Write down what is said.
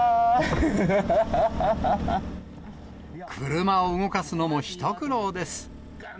車を動かすのも一苦労です。